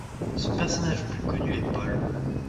Son personnage le plus connu est Paul.